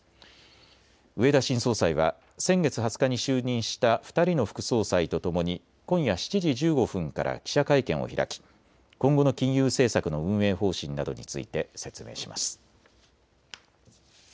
植田新総裁は先月２０日に就任した２人の副総裁とともに今夜７時１５分から記者会見を開き今後の金融政策の運営方針などについて説明します。